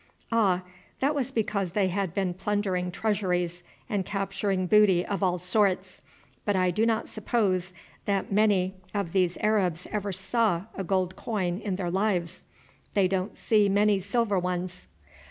"Ah, that was because they had been plundering treasuries and capturing booty of all sorts. But I do not suppose many of these Arabs ever saw a gold coin in their lives. They don't see many silver ones.